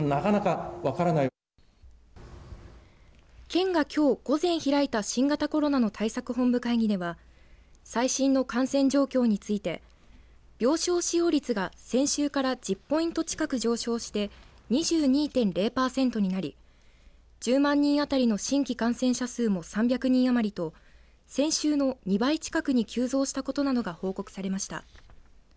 県がきょう午前、開いた新型コロナの対策本部会議では最新の感染状況について病床使用率が先週から１０ポイント近く上昇して２２．０パーセントになり１０万人当たりの新規感染者数も３００人余りと先週の２倍近くに急増したことなどが報告されました。